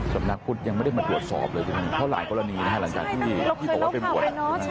จำนักพลตยังไม่ได้มาตรวจสอบเลยเพราะหลายกรณีหลังจากต้นพูดมาเป็นหมวด